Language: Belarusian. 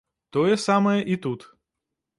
Тое самае і тут.